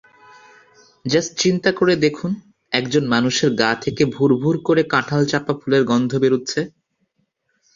জািষ্ট চিন্তা করে দেখু-একজন মানুষের গা থেকে ভূত্রভুর করে কাঁঠালচাঁপা ফুলের গন্ধ বেরুচ্ছে।